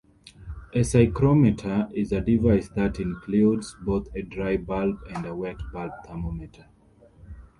A psychrometer is a device that includes both a dry-bulb and a wet-bulb thermometer.